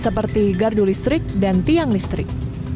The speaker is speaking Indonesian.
seperti gardu listrik dan tiang listrik